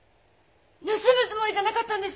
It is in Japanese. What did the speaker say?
盗むつもりじゃなかったんです！